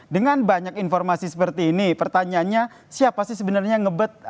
dengan banyak informasi seperti ini pertanyaannya siapa sih sebenarnya yang ngebet